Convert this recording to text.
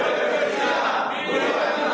tuhan yesus tuhan yesus tuhan yesus